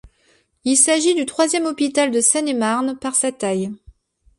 Il s'agit du troisième hôpital de Seine-et-Marne par sa taille.